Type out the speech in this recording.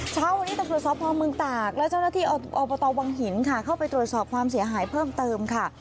เช้าวันนี้ตำรวจสพเมืองตากและเจ้าหน้าที่อบตวังหินค่ะเข้าไปตรวจสอบความเสียหายเพิ่มเติมค่ะ